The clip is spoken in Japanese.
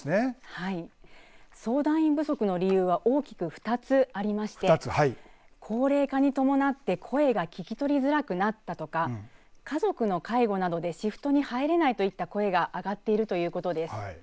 はい、相談員不足の理由は大きく２つありまして高齢化に伴って声が聞き取りづらくなったとか家族の介護などでシフトに入れないといった声が上がっているということです。